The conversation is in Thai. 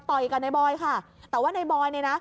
ต่อยกับนายบอยค่ะแต่ว่านายบอยเนี่ยนะ